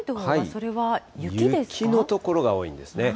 雪の所が多いんですね。